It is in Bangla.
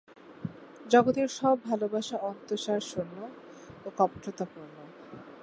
জগতের সব ভালবাসা অন্তঃসারশূন্য ও কপটতাপূর্ণ।